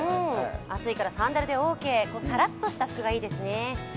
暑いからハンダルでオーケー、サラッとした服がいいですね。